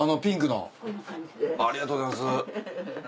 ありがとうございます。